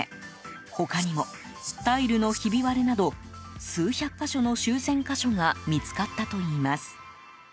他にも、タイルのひび割れなど数百か所の修繕箇所が見つかったといいます。